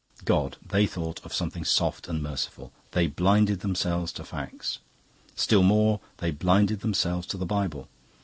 God they thought of something soft and merciful. They blinded themselves to facts; still more, they blinded themselves to the Bible.